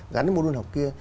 gắn mô đun học kia